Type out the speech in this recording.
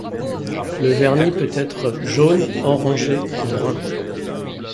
Le vernis peut être jaune orangé ou brun.